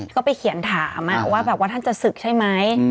ก็ไปเขียนถามว่าแบบว่าท่านจะศึกใช่ไหม